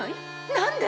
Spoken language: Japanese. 何で？